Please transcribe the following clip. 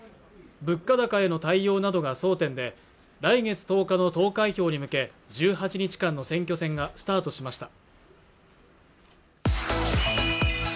物価高への対応などが争点で来月１０日の投開票に向け１８日間の選挙戦がスタートしました